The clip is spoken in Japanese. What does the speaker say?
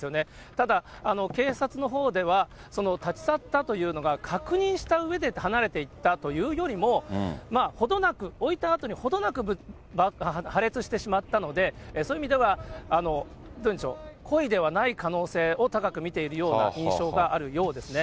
ただ、警察のほうでは、その立ち去ったというのが、確認したうえで離れていったというよりも、程なく、置いたあとに程なく破裂してしまったので、そういう意味では、どうでしょう、故意ではない可能性を高く見ているような印象があるようですね。